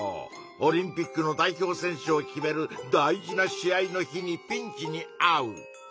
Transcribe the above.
オリンピックの代表選手を決める大事な試合の日にピンチにあう。